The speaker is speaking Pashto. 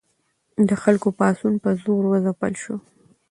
د خلکو پاڅون په زور وځپل شو.